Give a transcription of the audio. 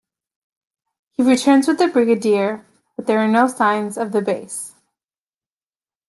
He returns with the Brigadier, but there are no signs of the base.